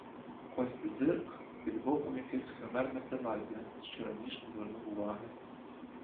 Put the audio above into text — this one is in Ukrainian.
Кость зирк — під боком якесь химерне приладдя, що раніш не звернув уваги.